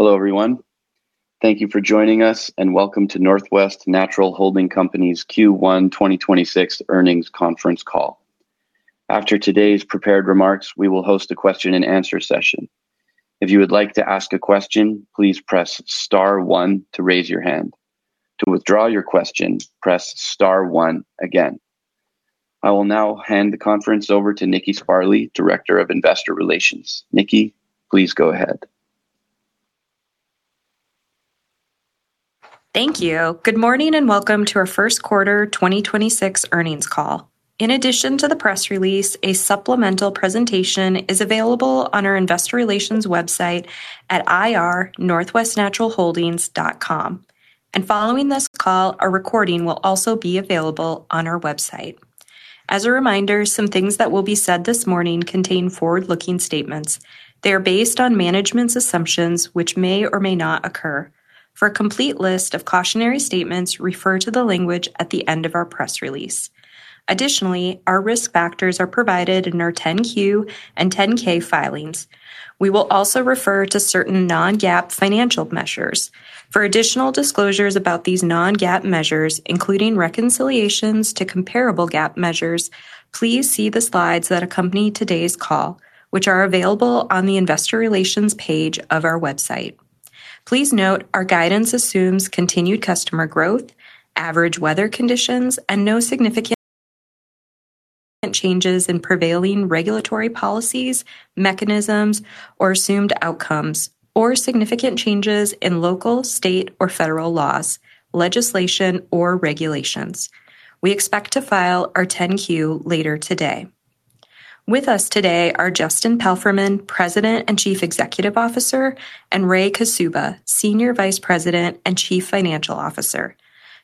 Hello, everyone. Thank you for joining us, and welcome to Northwest Natural Holding Company's Q1 2026 earnings conference call. After today's prepared remarks, we will host a question and answer session. If you would like to ask a question, please press star one to raise your hand. To withdraw your question, press star one again. I will now hand the conference over to Nikki Sparley, Director of Investor Relations. Nikki, please go ahead. Thank you. Good morning, welcome to our first quarter 2026 earnings call. In addition to the press release, a supplemental presentation is available on our investor relations website at ir.nwnaturalholdings.com. Following this call, a recording will also be available on our website. As a reminder, some things that will be said this morning contain forward-looking statements. They are based on management's assumptions, which may or may not occur. For a complete list of cautionary statements, refer to the language at the end of our press release. Additionally, our risk factors are provided in our 10-Q and 10-K filings. We will also refer to certain non-GAAP financial measures. For additional disclosures about these non-GAAP measures, including reconciliations to comparable GAAP measures, please see the slides that accompany today's call, which are available on the investor relations page of our website. Please note our guidance assumes continued customer growth, average weather conditions, and no significant changes in prevailing regulatory policies, mechanisms, or assumed outcomes, or significant changes in local, state, or federal laws, legislation, or regulations. We expect to file our 10-Q later today. With us today are Justin Palfreyman, President and Chief Executive Officer, and Ray Kaszuba, Senior Vice President and Chief Financial Officer.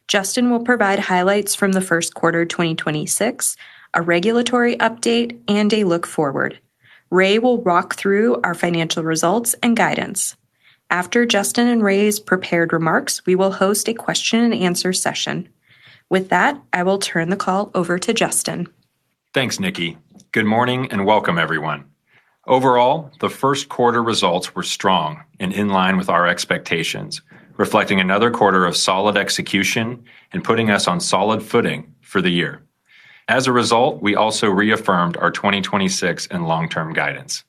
Justin will provide highlights from the first quarter of 2026, a regulatory update, and a look forward. Ray will walk through our financial results and guidance. After Justin and Ray's prepared remarks, we will host a question and answer session. With that, I will turn the call over to Justin. Thanks, Nikki. Good morning and welcome, everyone. Overall, the first quarter results were strong and in line with our expectations, reflecting another quarter of solid execution and putting us on solid footing for the year. As a result, we also reaffirmed our 2026 and long-term guidance.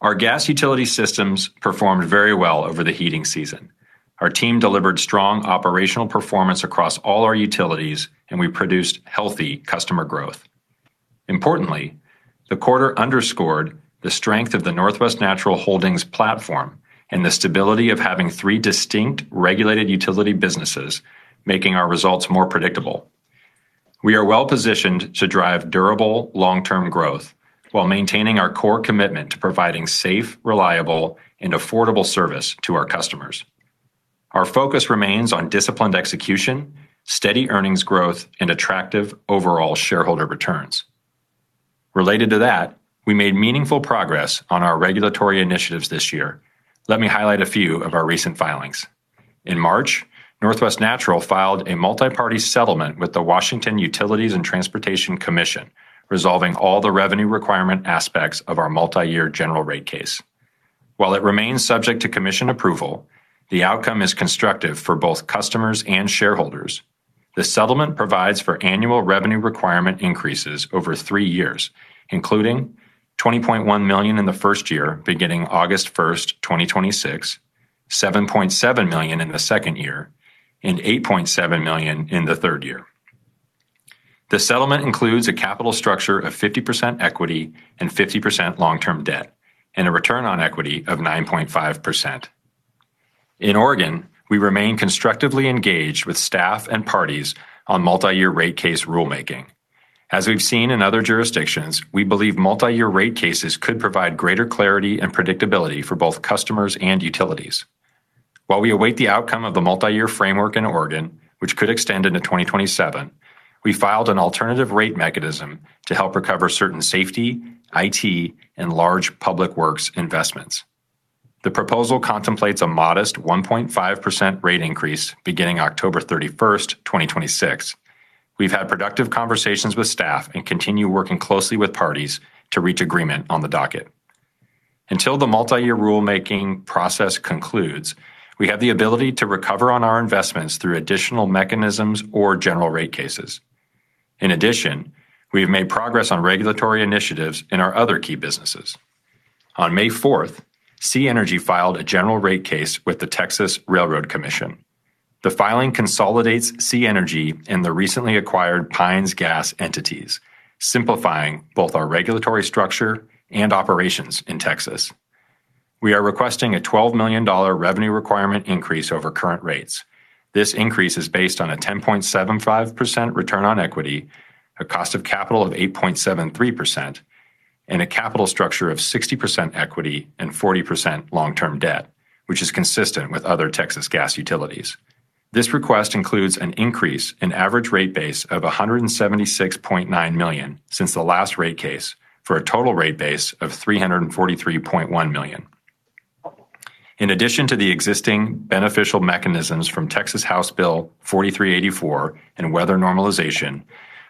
Our gas utility systems performed very well over the heating season. Our team delivered strong operational performance across all our utilities, and we produced healthy customer growth. Importantly, the quarter underscored the strength of the Northwest Natural Holdings platform and the stability of having 3 distinct regulated utility businesses, making our results more predictable. We are well-positioned to drive durable long-term growth while maintaining our core commitment to providing safe, reliable, and affordable service to our customers. Our focus remains on disciplined execution, steady earnings growth, and attractive overall shareholder returns. Related to that, we made meaningful progress on our regulatory initiatives this year. Let me highlight a few of our recent filings. In March, Northwest Natural filed a multi-party settlement with the Washington Utilities and Transportation Commission, resolving all the revenue requirement aspects of our multi-year general rate case. While it remains subject to commission approval, the outcome is constructive for both customers and shareholders. The settlement provides for annual revenue requirement increases over three years, including $20.1 million in the first year beginning August 1, 2026, $7.7 million in the second year, and $8.7 million in the third year. The settlement includes a capital structure of 50% equity and 50% long-term debt and a return on equity of 9.5%. In Oregon, we remain constructively engaged with staff and parties on multi-year rate case rulemaking. As we've seen in other jurisdictions, we believe multi-year rate cases could provide greater clarity and predictability for both customers and utilities. While we await the outcome of the multi-year framework in Oregon, which could extend into 2027, we filed an alternative rate mechanism to help recover certain safety, IT, and large public works investments. The proposal contemplates a modest 1.5% rate increase beginning October 31, 2026. We've had productive conversations with staff and continue working closely with parties to reach agreement on the docket. Until the multi-year rulemaking process concludes, we have the ability to recover on our investments through additional mechanisms or general rate cases. In addition, we have made progress on regulatory initiatives in our other key businesses. On May 4, SiEnergy filed a general rate case with the Texas Railroad Commission. The filing consolidates SiEnergy and the recently acquired Pines Gas entities, simplifying both our regulatory structure and operations in Texas. We are requesting a $12 million revenue requirement increase over current rates. This increase is based on a 10.75% return on equity, a cost of capital of 8.73%, and a capital structure of 60% equity and 40% long-term debt, which is consistent with other Texas gas utilities. This request includes an increase in average rate base of $176.9 million since the last rate case for a total rate base of $343.1 million. In addition to the existing beneficial mechanisms from Texas House Bill 4384 and weather normalization.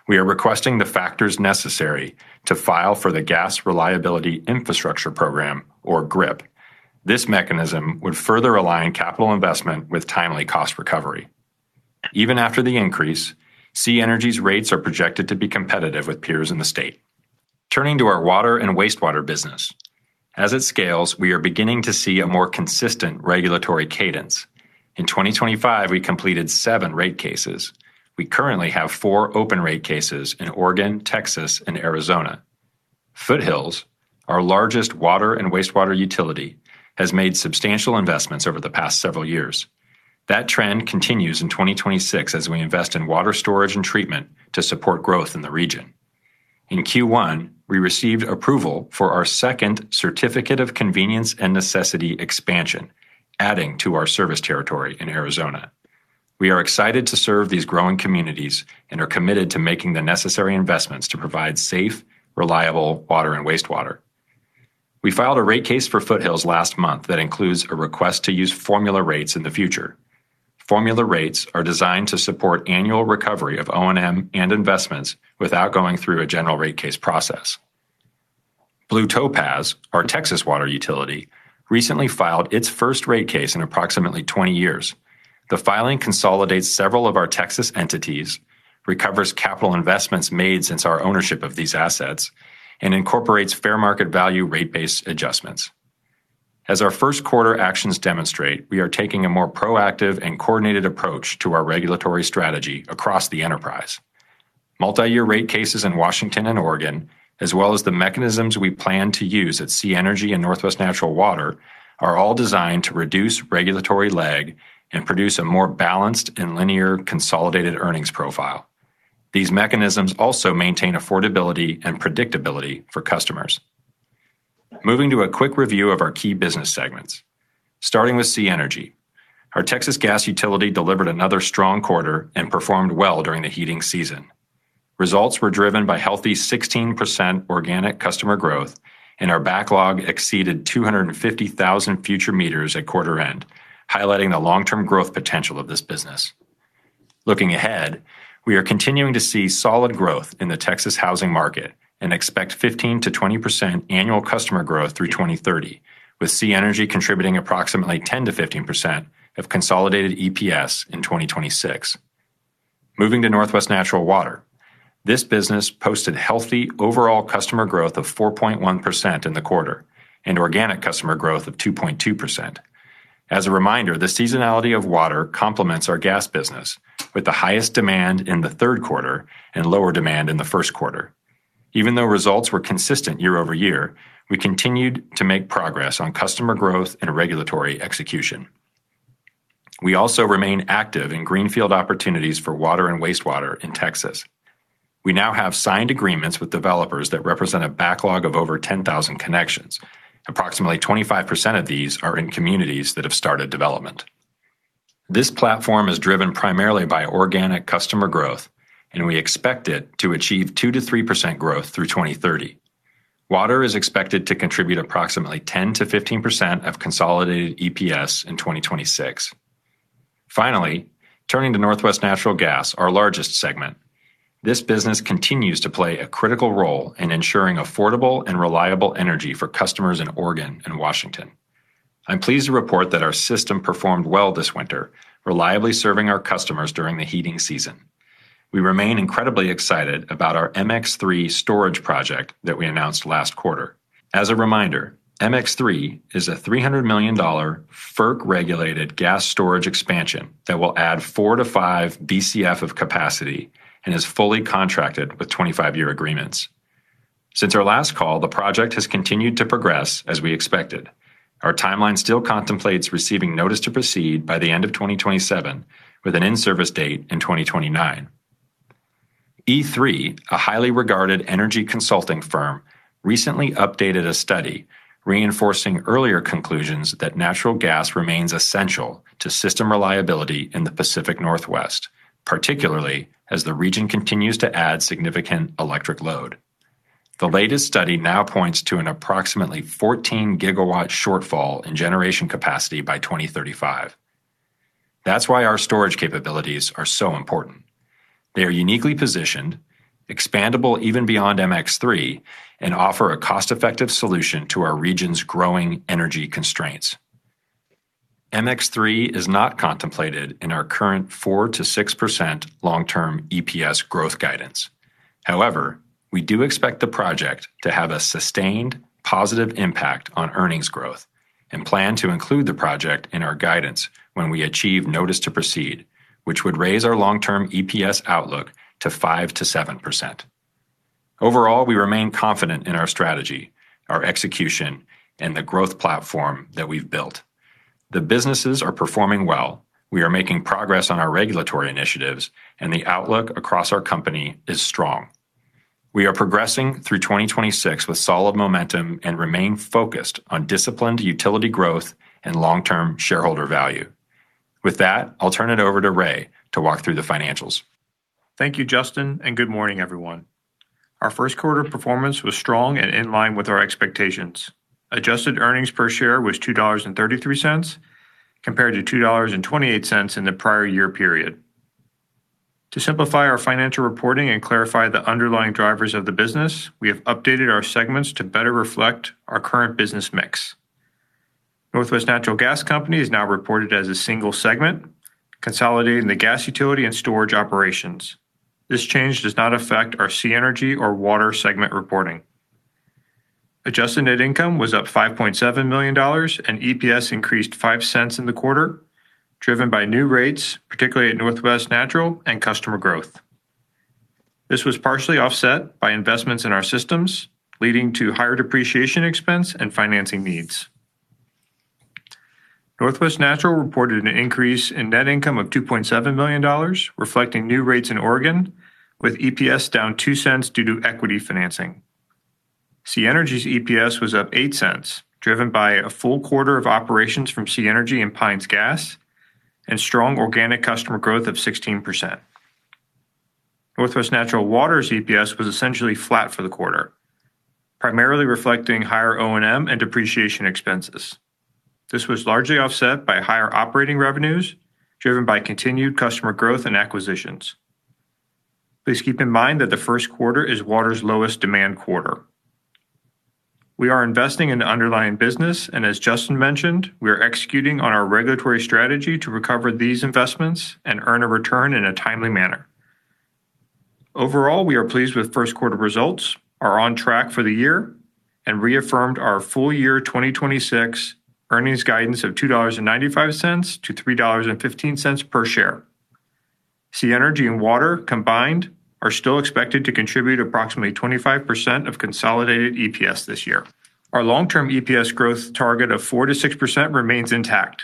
We are requesting the factors necessary to file for the Gas Reliability Infrastructure Program, or GRIP. This mechanism would further align capital investment with timely cost recovery. Even after the increase, SiEnergy's rates are projected to be competitive with peers in the state. Turning to our water and wastewater business. As it scales, we are beginning to see a more consistent regulatory cadence. In 2025, we completed seven rate cases. We currently have four open rate cases in Oregon, Texas, and Arizona. Foothills, our largest water and wastewater utility, has made substantial investments over the past several years. That trend continues in 2026 as we invest in water storage and treatment to support growth in the region. In Q1, we received approval for our second Certificate of Convenience and Necessity expansion, adding to our service territory in Arizona. We are excited to serve these growing communities and are committed to making the necessary investments to provide safe, reliable water and wastewater. We filed a rate case for Foothills last month that includes a request to use formula rates in the future. Formula rates are designed to support annual recovery of O&M and investments without going through a general rate case process. Blue Topaz, our Texas water utility, recently filed its first rate case in approximately 20 years. The filing consolidates several of our Texas entities, recovers capital investments made since our ownership of these assets, and incorporates fair market value rate based adjustments. As our first quarter actions demonstrate, we are taking a more proactive and coordinated approach to our regulatory strategy across the enterprise. Multi-year rate cases in Washington and Oregon, as well as the mechanisms we plan to use at SiEnergy and Northwest Natural Water, are all designed to reduce regulatory lag and produce a more balanced and linear consolidated earnings profile. These mechanisms also maintain affordability and predictability for customers. Moving to a quick review of our key business segments. Starting with SiEnergy, our Texas gas utility delivered another strong quarter and performed well during the heating season. Results were driven by healthy 16% organic customer growth. Our backlog exceeded 250,000 future meters at quarter end, highlighting the long-term growth potential of this business. Looking ahead, we are continuing to see solid growth in the Texas housing market and expect 15%-20% annual customer growth through 2030, with SiEnergy contributing approximately 10%-15% of consolidated EPS in 2026. Moving to Northwest Natural Water, this business posted healthy overall customer growth of 4.1% in the quarter and organic customer growth of 2.2%. As a reminder, the seasonality of water complements our gas business, with the highest demand in the third quarter and lower demand in the first quarter. Even though results were consistent year-over-year, we continued to make progress on customer growth and regulatory execution. We also remain active in greenfield opportunities for water and wastewater in Texas. We now have signed agreements with developers that represent a backlog of over 10,000 connections. Approximately 25% of these are in communities that have started development. This platform is driven primarily by organic customer growth, and we expect it to achieve 2%-3% growth through 2030. Water is expected to contribute approximately 10%-15% of consolidated EPS in 2026. Finally, turning to Northwest Natural Gas, our largest segment. This business continues to play a critical role in ensuring affordable and reliable energy for customers in Oregon and Washington. I'm pleased to report that our system performed well this winter, reliably serving our customers during the heating season. We remain incredibly excited about our MX3 storage project that we announced last quarter. As a reminder, MX-3 is a $300 million FERC-regulated gas storage expansion that will add 4 to 5 BCF of capacity and is fully contracted with 25-year agreements. Since our last call, the project has continued to progress as we expected. Our timeline still contemplates receiving notice to proceed by the end of 2027, with an in-service date in 2029. E3, a highly regarded energy consulting firm, recently updated a study reinforcing earlier conclusions that natural gas remains essential to system reliability in the Pacific Northwest, particularly as the region continues to add significant electric load. The latest study now points to an approximately 14 gigawatt shortfall in generation capacity by 2035. That's why our storage capabilities are so important. They are uniquely positioned, expandable even beyond MX-3, and offer a cost-effective solution to our region's growing energy constraints. MX3 is not contemplated in our current 4%-6% long-term EPS growth guidance. However, we do expect the project to have a sustained positive impact on earnings growth and plan to include the project in our guidance when we achieve notice to proceed, which would raise our long-term EPS outlook to 5%-7%. Overall, we remain confident in our strategy, our execution, and the growth platform that we've built. The businesses are performing well. We are making progress on our regulatory initiatives, and the outlook across our company is strong. We are progressing through 2026 with solid momentum and remain focused on disciplined utility growth and long-term shareholder value. With that, I'll turn it over to Ray to walk through the financials. Thank you, Justin. Good morning, everyone. Our first quarter performance was strong and in line with our expectations. Adjusted earnings per share was $2.33, compared to $2.28 in the prior year period. To simplify our financial reporting and clarify the underlying drivers of the business, we have updated our segments to better reflect our current business mix. NW Natural Gas Company is now reported as a single segment, consolidating the gas utility and storage operations. This change does not affect our SiEnergy or Water segment reporting. Adjusted net income was up $5.7 million. EPS increased $0.05 in the quarter, driven by new rates, particularly at Northwest Natural and customer growth. This was partially offset by investments in our systems, leading to higher depreciation expense and financing needs. Northwest Natural reported an increase in net income of $2.7 million, reflecting new rates in Oregon with EPS down $0.02 due to equity financing. SiEnergy's EPS was up $0.08, driven by a full quarter of operations from SiEnergy and Pines Gas and strong organic customer growth of 16%. NW Natural Water's EPS was essentially flat for the quarter, primarily reflecting higher O&M and depreciation expenses. This was largely offset by higher operating revenues, driven by continued customer growth and acquisitions. Please keep in mind that the first quarter is Water's lowest demand quarter. We are investing in the underlying business, and as Justin mentioned, we are executing on our regulatory strategy to recover these investments and earn a return in a timely manner. Overall, we are pleased with first quarter results, are on track for the year, and reaffirmed our full year 2026 earnings guidance of $2.95 to $3.15 per share. SiEnergy and Water combined are still expected to contribute approximately 25% of consolidated EPS this year. Our long-term EPS growth target of 4%-6% remains intact.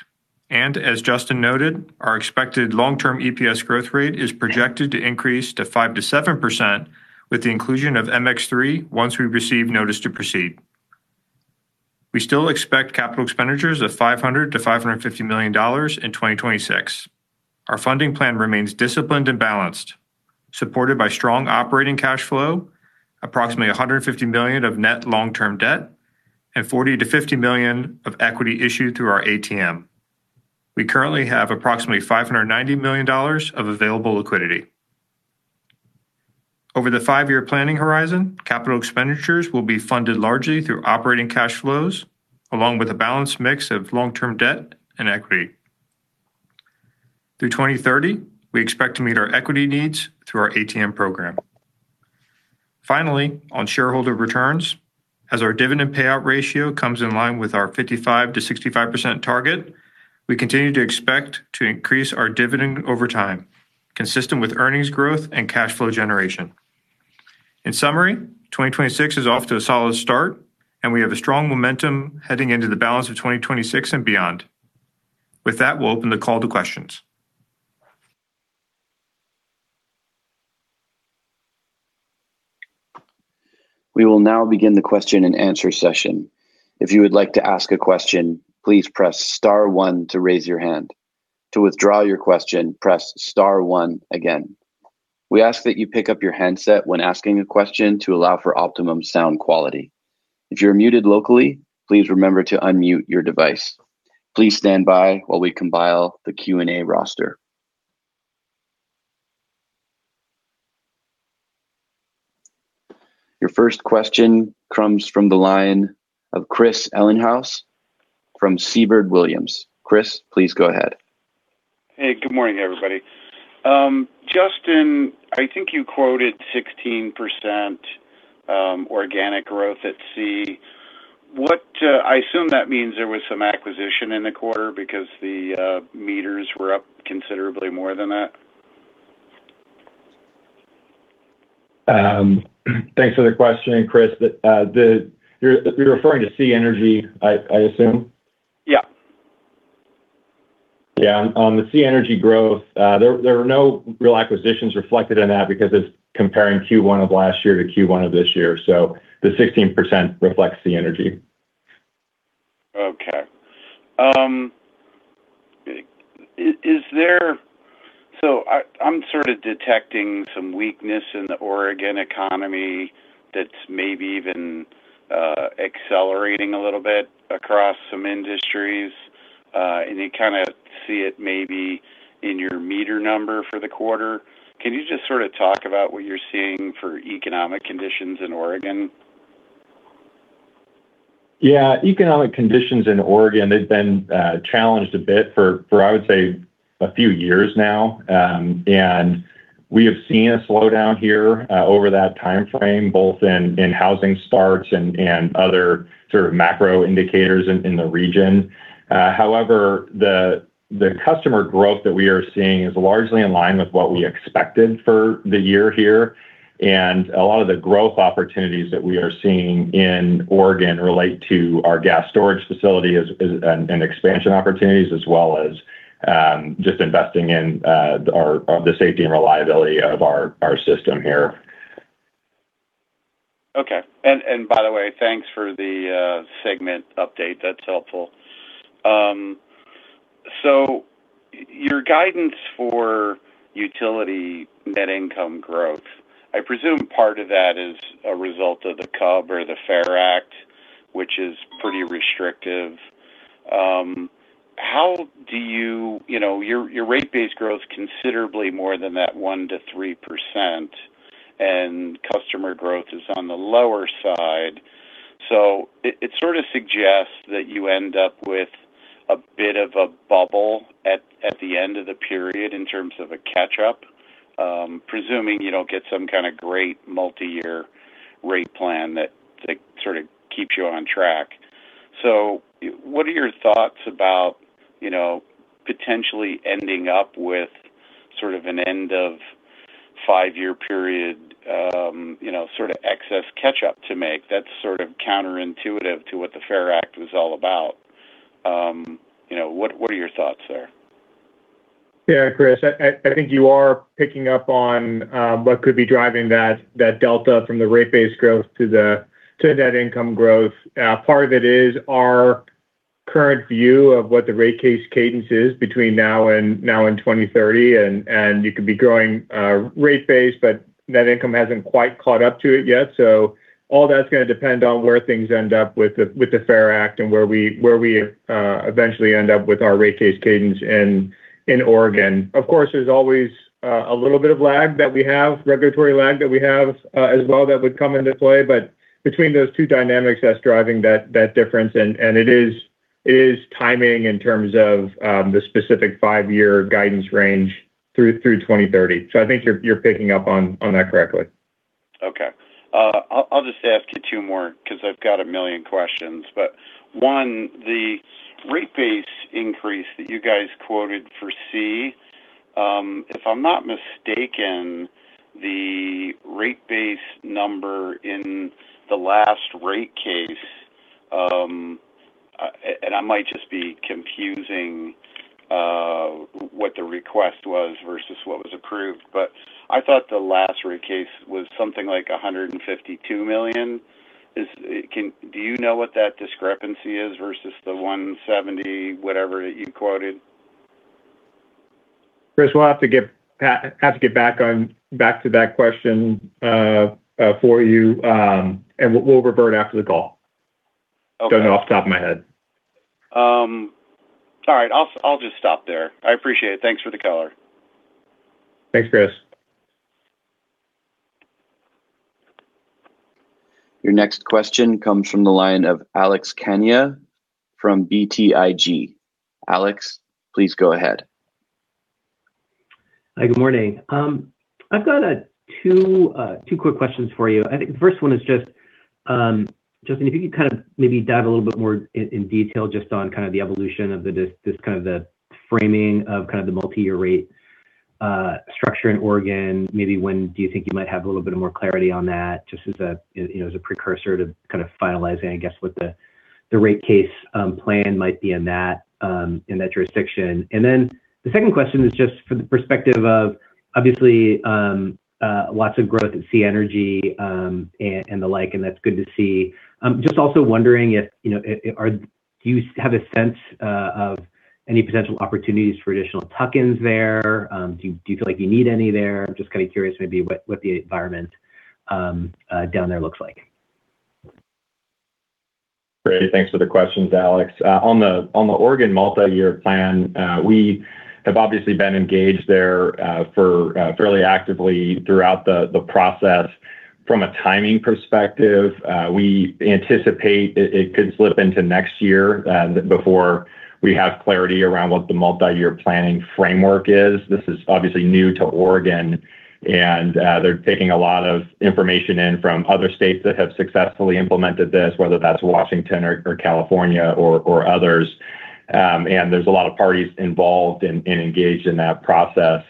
As Justin noted, our expected long-term EPS growth rate is projected to increase to 5%-7% with the inclusion of MX3 once we receive notice to proceed. We still expect capital expenditures of $500 million-$550 million in 2026. Our funding plan remains disciplined and balanced, supported by strong operating cash flow, approximately $150 million of net long-term debt, and $40 million-$50 million of equity issued through our ATM. We currently have approximately $590 million of available liquidity. Over the 5-year planning horizon, capital expenditures will be funded largely through operating cash flows, along with a balanced mix of long-term debt and equity. Through 2030, we expect to meet our equity needs through our ATM program. Finally, on shareholder returns, as our dividend payout ratio comes in line with our 55%-65% target, we continue to expect to increase our dividend over time, consistent with earnings growth and cash flow generation. In summary, 2026 is off to a solid start, and we have a strong momentum heading into the balance of 2026 and beyond. With that, we'll open the call to questions. We will now begin the question and answer session. If you would like to ask a question, please press star one to raise your hand. To withdraw your question, press star one again. We ask that you pick up your handset when asking a question to allow for optimum sound quality. If you're muted locally, please remember to unmute your device. Please stand by while we compile the Q&A roster. Your first question comes from the line of Christopher Ellinghaus from Siebert Williams. Chris, please go ahead. Hey, good morning, everybody. Justin, I think you quoted 16% organic growth at SiEnergy. What, I assume that means there was some acquisition in the quarter because the meters were up considerably more than that? Thanks for the question, Chris. You're referring to SiEnergy, I assume? Yeah. Yeah, on the SiEnergy growth, there are no real acquisitions reflected in that because it's comparing Q1 of last year to Q1 of this year. The 16% reflects the energy. Okay. I'm sort of detecting some weakness in the Oregon economy that's maybe even accelerating a little bit across some industries, you kind of see it maybe in your meter number for the quarter. Can you just sort of talk about what you're seeing for economic conditions in Oregon? Yeah. Economic conditions in Oregon, they've been challenged a bit for I would say a few years now. We have seen a slowdown here over that timeframe, both in housing starts and other sort of macro indicators in the region. However, the customer growth that we are seeing is largely in line with what we expected for the year here. A lot of the growth opportunities that we are seeing in Oregon relate to our gas storage facility as an expansion opportunities, as well as, just investing in, the safety and reliability of our system here. Okay. By the way, thanks for the segment update. That's helpful. Your guidance for utility net income growth, I presume part of that is a result of the CUB or the FAIR Act, which is pretty restrictive. You know, your rate base growth considerably more than that 1%-3% and customer growth is on the lower side. It sort of suggests that you end up with a bit of a bubble at the end of the period in terms of a catch-up, presuming you don't get some kind of great multi-year rate plan that like sort of keeps you on track. What are your thoughts about, you know, potentially ending up with sort of an end of 5-year period, you know, sort of excess catch-up to make? That's sort of counterintuitive to what the FAIR Act was all about. You know, what are your thoughts there? Chris, I think you are picking up on what could be driving that delta from the rate base growth to the net income growth. Part of it is our current view of what the rate case cadence is between now and 2030 and you could be growing rate base, net income hasn't quite caught up to it yet. All that's gonna depend on where things end up with the FAIR Act and where we eventually end up with our rate case cadence in Oregon. Of course, there's always a little bit of lag that we have, regulatory lag that we have as well that would come into play. Between those two dynamics, that's driving that difference. It is timing in terms of the specific 5-year guidance range through 2030. I think you're picking up on that correctly. Okay. I'll just ask you two more because I've got 1 million questions. One, the rate base increase that you guys quoted for C, if I'm not mistaken, the rate base number in the last rate case, and I might just be confusing what the request was versus what was approved, but I thought the last rate case was something like $152 million. Do you know what that discrepancy is versus the $170 whatever that you quoted? Chris, we'll have to get back on, back to that question, for you, and we'll revert after the call. Okay. Don't know off the top of my head. All right. I'll just stop there. I appreciate it. Thanks for the color. Thanks, Chris. Your next question comes from the line of Alex Kania from BTIG. Alex, please go ahead. Hi, good morning. I've got 2 quick questions for you. I think the first one is just, Justin, if you could kind of maybe dive a little bit more in detail just on kind of the evolution of the framing of the multi-year rate structure in Oregon. Maybe when do you think you might have a little bit more clarity on that, just as a, you know, as a precursor to kind of finalizing, I guess, what the rate case plan might be in that jurisdiction. The second question is just from the perspective of obviously, lots of growth in SiEnergy and the like, and that's good to see. Just also wondering if, you know, do you have a sense of any potential opportunities for additional tuck-ins there? Do you feel like you need any there? I'm just kind of curious maybe what the environment down there looks like. Great. Thanks for the questions, Alex. On the Oregon multi-year plan, we have obviously been engaged there for fairly actively throughout the process. From a timing perspective, we anticipate it could slip into next year before we have clarity around what the multi-year planning framework is. This is obviously new to Oregon, they're taking a lot of information in from other states that have successfully implemented this, whether that's Washington or California or others. There's a lot of parties involved and engaged in that process.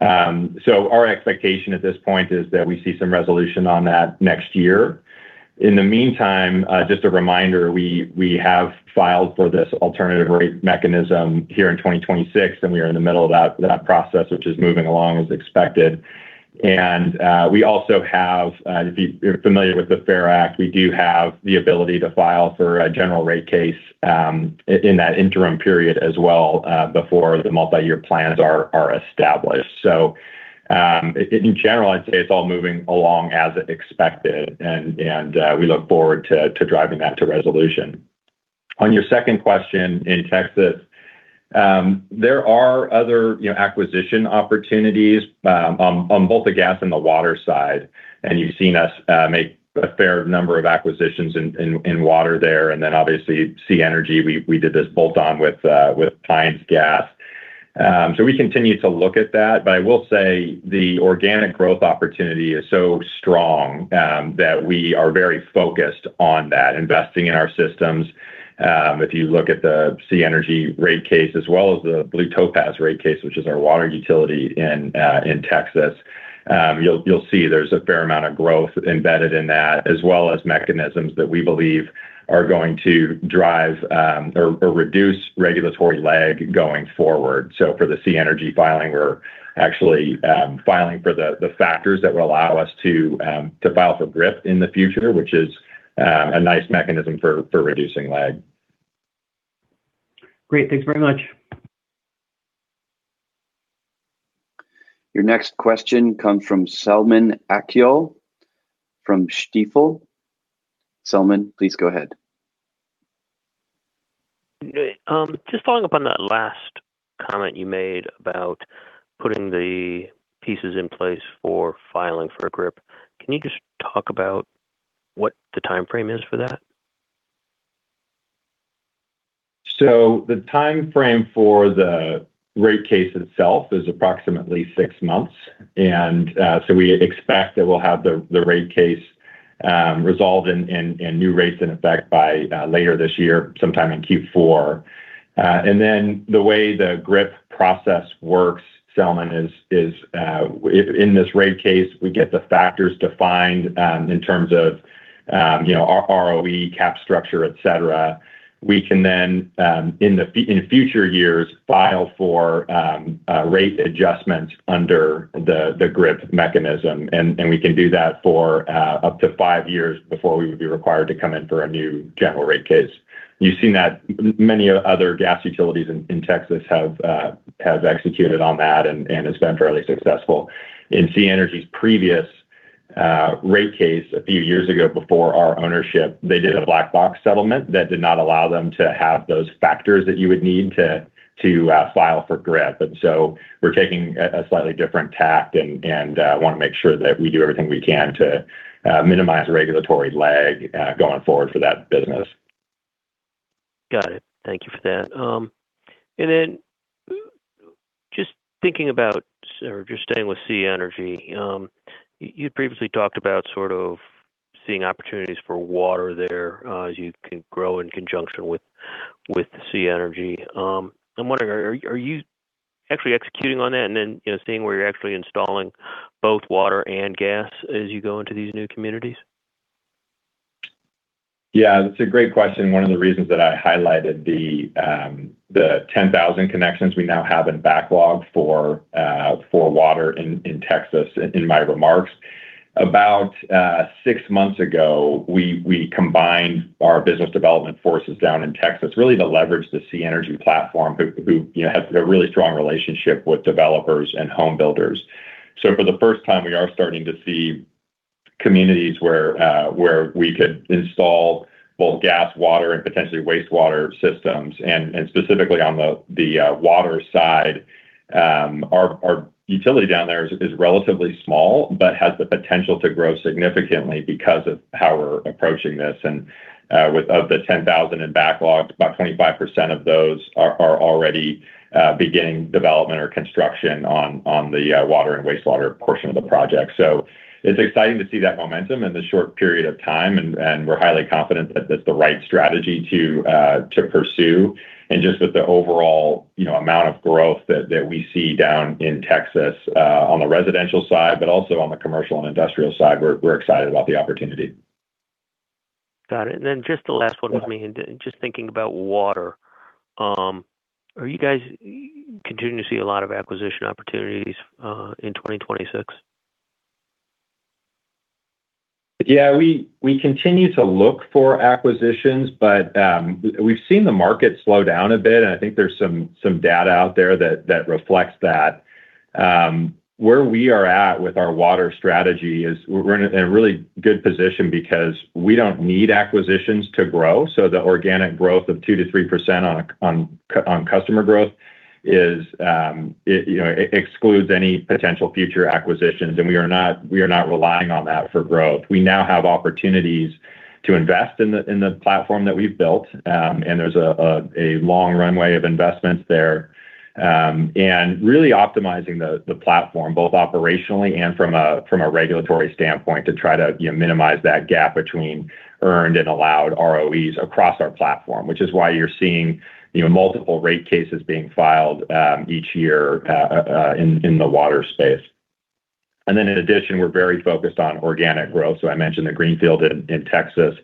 Our expectation at this point is that we see some resolution on that next year. In the meantime, just a reminder, we have filed for this alternative rate mechanism here in 2026, and we are in the middle of that process, which is moving along as expected. We also have, if you're familiar with the FAIR Energy Act, we do have the ability to file for a general rate case in that interim period as well, before the multi-year plans are established. In general, I'd say it's all moving along as expected, and we look forward to driving that to resolution. On your second question, in Texas, there are other, you know, acquisition opportunities on both the gas and the water side, and you've seen us make a fair number of acquisitions in water there. Obviously SiEnergy, we did this bolt-on with Pines Gas. We continue to look at that, but I will say the organic growth opportunity is so strong that we are very focused on that, investing in our systems. If you look at the SiEnergy rate case as well as the Blue Topaz rate case, which is our water utility in Texas, you'll see there's a fair amount of growth embedded in that, as well as mechanisms that we believe are going to drive or reduce regulatory lag going forward. For the SiEnergy filing, we're actually filing for the factors that will allow us to file for GRIP in the future, which is a nice mechanism for reducing lag. Great. Thanks very much. Your next question comes from Selman Akyol from Stifel. Selman, please go ahead. Okay. Just following up on that last comment you made about putting the pieces in place for filing for a GRIP. Can you just talk about what the timeframe is for that? The timeframe for the rate case itself is approximately 6 months. We expect that we'll have the rate case resolved and new rates in effect by later this year, sometime in Q4. The way the GRIP process works, Selman, is in this rate case, we get the factors defined in terms of, you know, our ROE cap structure, et cetera. We can then in future years, file for a rate adjustment under the GRIP mechanism. We can do that for up to 5 years before we would be required to come in for a new general rate case. You've seen that many other gas utilities in Texas have executed on that and it's been fairly successful. In SiEnergy's previous, rate case a few years ago before our ownership, they did a black box settlement that did not allow them to have those factors that you would need to file for GRIP. We're taking a slightly different tact and, wanna make sure that we do everything we can to minimize the regulatory lag going forward for that business. Got it. Thank you for that. Just thinking about or just staying with SiEnergy. You previously talked about sort of seeing opportunities for water there, as you can grow in conjunction with SiEnergy. I'm wondering are you actually executing on that and then, you know, seeing where you're actually installing both water and gas as you go into these new communities? Yeah, that's a great question. One of the reasons that I highlighted the 10,000 connections we now have in backlog for water in Texas in my remarks. About six months ago, we combined our business development forces down in Texas really to leverage the SiEnergy platform who, you know, has a really strong relationship with developers and home builders. For the first time, we are starting to see communities where we could install both gas, water, and potentially wastewater systems. Specifically on the water side, our utility down there is relatively small, but has the potential to grow significantly because of how we're approaching this. With of the 10,000 in backlog, about 25% of those are already beginning development or construction on the water and wastewater portion of the project. It's exciting to see that momentum in this short period of time and we're highly confident that that's the right strategy to pursue. Just with the overall, you know, amount of growth that we see down in Texas, on the residential side, but also on the commercial and industrial side, we're excited about the opportunity. Got it. Just the last one with me. Just thinking about water, are you guys continuing to see a lot of acquisition opportunities in 2026? Yeah. We continue to look for acquisitions, but we've seen the market slow down a bit, and I think there's some data out there that reflects that. Where we are at with our water strategy is we're in a really good position because we don't need acquisitions to grow. The organic growth of 2% to 3% on customer growth is, you know, excludes any potential future acquisitions, and we are not relying on that for growth. We now have opportunities to invest in the platform that we've built. There's a long runway of investments there. Really optimizing the platform both operationally and from a regulatory standpoint to try to, you know, minimize that gap between earned and allowed ROEs across our platform, which is why you're seeing, you know, multiple rate cases being filed each year in the water space. In addition, we're very focused on organic growth. I mentioned the greenfield in Texas.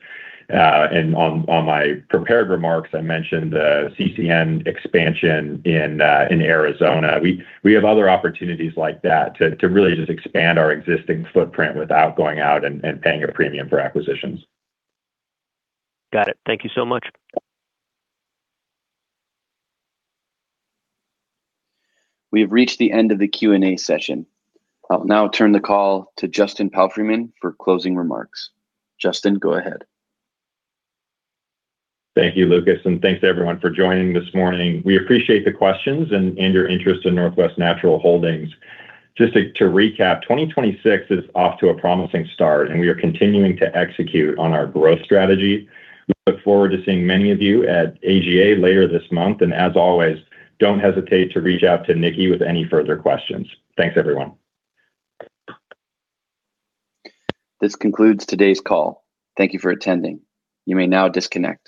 On my prepared remarks, I mentioned the CCN expansion in Arizona. We have other opportunities like that to really just expand our existing footprint without going out and paying a premium for acquisitions. Got it. Thank you so much. We have reached the end of the Q&A session. I'll now turn the call to Justin Palfreyman for closing remarks. Justin, go ahead. Thank you, Lucas, and thanks everyone for joining this morning. We appreciate the questions and your interest in Northwest Natural Holdings. Just to recap, 2026 is off to a promising start, and we are continuing to execute on our growth strategy. We look forward to seeing many of you at AGA later this month. As always, don't hesitate to reach out to Nikki with any further questions. Thanks, everyone. This concludes today's call. Thank you for attending. You may now disconnect.